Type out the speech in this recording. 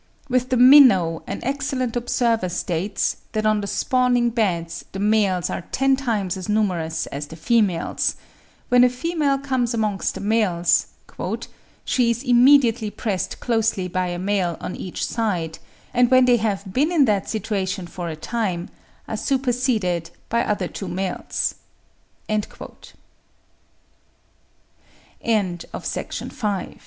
With the minnow, an excellent observer states, that on the spawning beds the males are ten times as numerous as the females; when a female comes amongst the males, "she is immediately pressed closely by a male on each side; and when they have been in that situation for a time, are superseded by other two males." (73. Yarrell, 'Hist. British Fishes,' vol. i. 1826, p. 307; on the Cypr